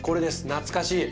懐かしい。